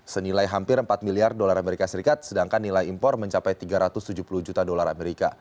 senilai hampir empat miliar dolar as sedangkan nilai impor mencapai tiga ratus tujuh puluh juta dolar amerika